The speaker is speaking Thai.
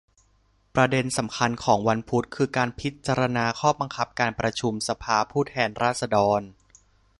ประเด็นสำคัญของวันพุธ คือ การพิจารณาข้อบังคับการประชุมสภาผู้แทนราษฎร